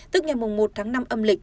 tức ngày một tháng năm âm lịch